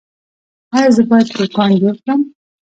ایا زه باید دوکان جوړ کړم؟